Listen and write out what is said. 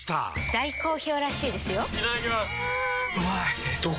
大好評らしいですよんうまい！